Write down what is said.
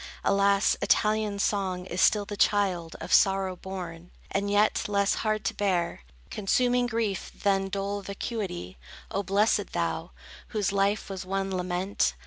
Alas, Italian song is still the child Of sorrow born. And yet, less hard to bear, Consuming grief than dull vacuity! O blessed thou, whose life was one lament!